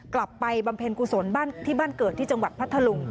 บำเพ็ญกุศลที่บ้านเกิดที่จังหวัดพัทธลุง